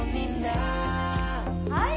はい！